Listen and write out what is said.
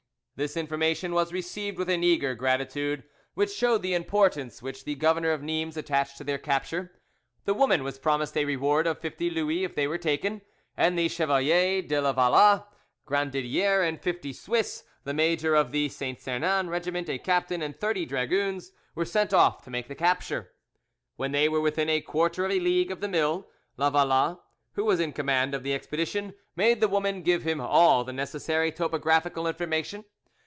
This information was received with an eager gratitude, which showed the importance which the governor of Nimes attached to their capture. The woman was promised a reward of fifty Louis if they were taken, and the Chevalier de la Valla, Grandidier, and fifty Swiss, the major of the Saint Sernin regiment, a captain, and thirty dragoons, were sent off to make the capture. When they were within a quarter of a league of the mill, La Valla, who was in command of the expedition, made the woman give him all the necessary topographical information.